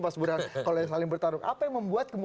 kalau saling bertarung apa yang membuat